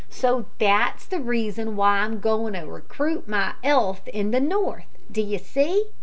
So that's the reason w'y I'm goin' to recruit my 'ealth in the north, d'ye see?